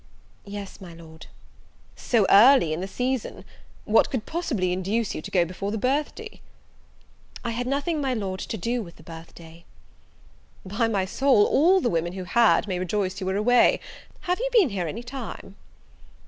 "Yes, my Lord." "So early in the season! what could possibly induce you to go before the birth day?" "I had nothing, my Lord, to do with the birth day." "By my soul, all the women who had, may rejoice you were away. Have you been here any time?"